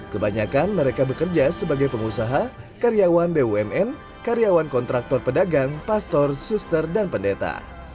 kebanyakan mereka bekerja sebagai pengusaha karyawan bumn karyawan kontraktor pedagang pastor suster dan pendeta